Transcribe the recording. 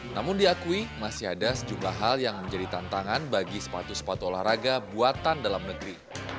namun diakui masih ada sejumlah hal yang menjadi tantangan bagi sepatu sepatu olahraga buatan dalam negeri